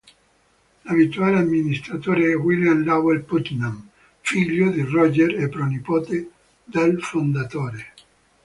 L'attuale amministratore è William Lowell Putnam, figlio di Roger e pronipote del fondatore.